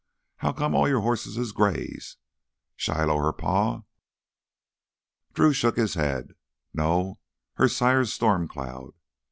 "How come all your hosses is grays? Shiloh her pa?" Drew shook his head. "No, her sire's Storm Cloud.